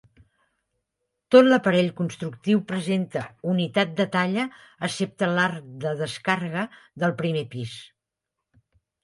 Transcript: Tot l'aparell constructiu presenta unitat de talla, excepte l'arc de descàrrega del primer pis.